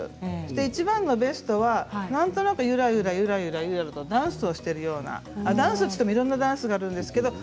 いちばんのベストはなんとなく、ゆらゆらゆらゆらダンスをしているようなダンスといってもいろんなダンスがあるんですけどあれ？